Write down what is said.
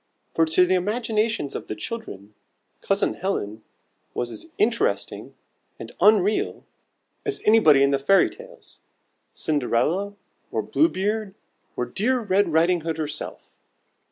For to the imaginations of the children, Cousin Helen was as interesting and unreal as anybody in the Fairy Tales: Cinderella, or Blue Beard, or dear Red Riding Hood herself.